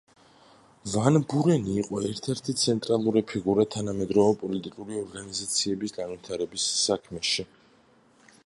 ვან ბურენი იყო ერთ-ერთი ცენტრალური ფიგურა თანამედროვე პოლიტიკური ორგანიზაციების განვითარების საქმეში.